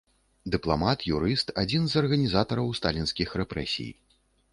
Дыпламат, юрыст, адзін з арганізатараў сталінскіх рэпрэсій.